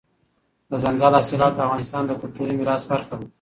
دځنګل حاصلات د افغانستان د کلتوري میراث برخه ده.